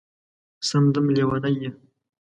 سم دم لېونی یې